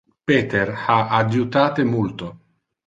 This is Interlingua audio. Peter ha adjutate multo.